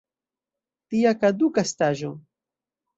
Tia kaduka estaĵo!